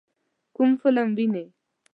کوم فلم وینئ؟